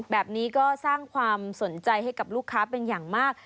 แบบนี้ก็สร้างความสนใจให้กับลูกค้าเป็นอย่างมาก